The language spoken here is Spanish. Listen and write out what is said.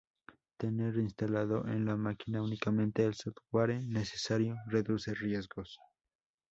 Tener instalado en la máquina únicamente el "software" necesario reduce riesgos.